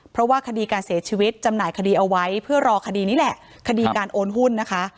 เพราะว่าคดีการเสียชีวิตจำหน่ายคดีเอาไว้เพื่อรอคดีนี้แหละคดีการโอนหุ้นนะคะ